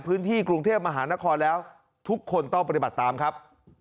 พื้นที่กรุงเทพมหานครแล้วทุกคนต้องปฏิบัติตามครับ